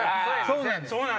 そうなんですよ。